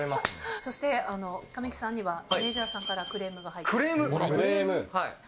そして、神木さんには、マネージャーさんからクレームが入っています。